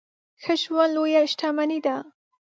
ښه ژوند لويه شتمني ده.